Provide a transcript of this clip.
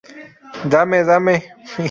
Dame, dame!